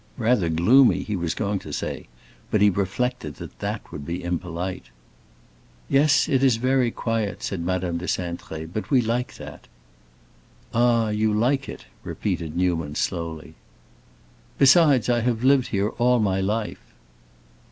Rather "gloomy," he was going to say, but he reflected that that would be impolite. "Yes, it is very quiet," said Madame de Cintré; "but we like that." "Ah, you like that," repeated Newman, slowly. "Besides, I have lived here all my life."